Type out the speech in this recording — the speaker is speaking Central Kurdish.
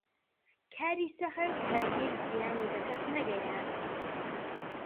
کاری سەخت هەرگیز زیانی بە کەس نەگەیاند.